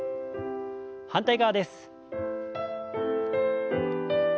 反対側です。